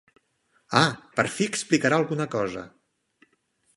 Ah, per fi explicarà alguna cosa!